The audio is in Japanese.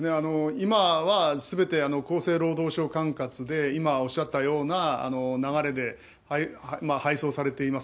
今はすべて厚生労働省管轄で今おっしゃったような流れで配送されています。